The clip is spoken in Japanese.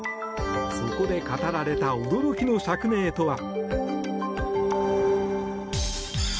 そこで語られた驚きの釈明とは。